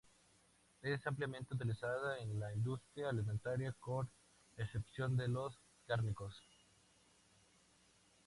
Es ampliamente utilizado en la industria alimentaria con excepción de los cárnicos.